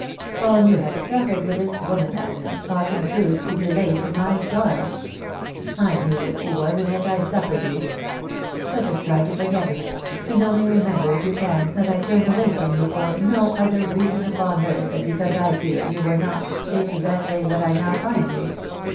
All you have suffered with this woman, Agnes, ought, in truth, to be laid to my charge, ... I knew what she was, and yet I suffered you. ••• Let us try to forget it ; and only remember, if you can, that I turned away from you for no other reason upon earth than because I feared you were not .... exactly what I now find you.